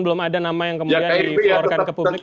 belum ada nama yang kemudian di pularkan ke publik